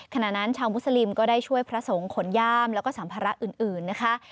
ขณะนั้นชาวมุสลิมก็ได้ช่วยพระสงฆ์ขนย่ามแล้วก็สัมภาระอื่นนะคะ